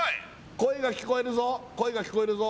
声が聞こえるぞ声が聞こえるぞ